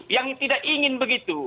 yang tidak ingin begitu